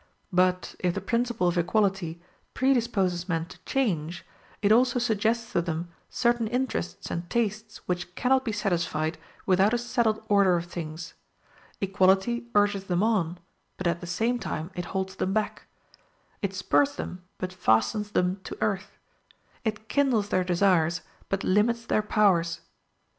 But if the principle of equality predisposes men to change, it also suggests to them certain interests and tastes which cannot be satisfied without a settled order of things; equality urges them on, but at the same time it holds them back; it spurs them, but fastens them to earth; it kindles their desires, but limits their powers.